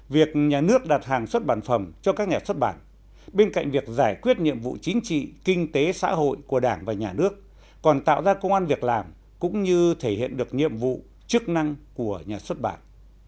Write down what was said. việc nhà nước đặt hàng xuất bản phẩm cho các nhà xuất bản bên cạnh việc giải quyết nhiệm vụ chính trị kinh tế xã hội của đảng và nhà nước còn tạo ra công an việc làm cũng như thể hiện được nhiệm vụ chức năng của nhà xuất bản